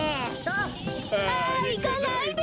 あいかないで。